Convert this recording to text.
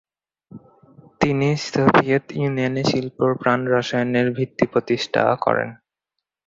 তিনি সোভিয়েত ইউনিয়নে শিল্প প্রাণরসায়নের ভিত্তি প্রতিষ্ঠা করেন।